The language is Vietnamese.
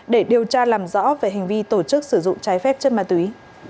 để điều tra làm rõ về hành vi tổ chức sử dụng trái phép chất ma túy